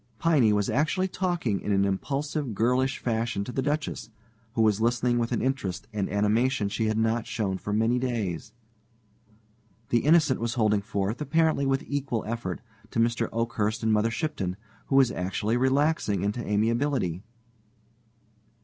Piney was actually talking in an impulsive, girlish fashion to the Duchess, who was listening with an interest and animation she had not shown for many days. The Innocent was holding forth, apparently with equal effect, to Mr. Oakhurst and Mother Shipton, who was actually relaxing into amiability.